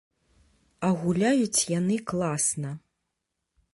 А гуляюць яны класна.